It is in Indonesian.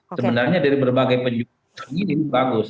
sebenarnya dari berbagai penjualan ini bagus